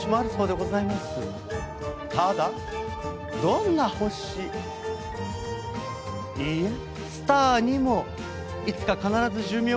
ただどんな星いいえスターにもいつか必ず寿命は訪れます。